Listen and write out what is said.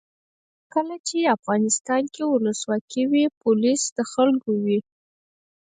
کله چې افغانستان کې ولسواکي وي پولیس د خلکو وي.